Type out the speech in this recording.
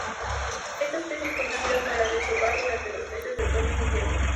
Esta especie es conocida para desovar durante los meses de otoño e invierno.